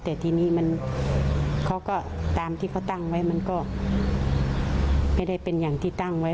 แต่ทีนี้เขาก็ตามที่เขาตั้งไว้มันก็ไม่ได้เป็นอย่างที่ตั้งไว้